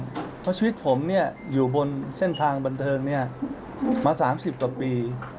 เพราะชีวิตผมอยู่บนเส้นทางบันเทิงมา๓๐ต่อปี